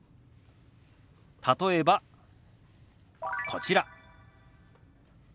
例えばこちら。